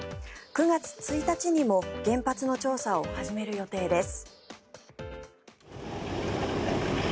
９月１日にも原発の調査を始める予定です。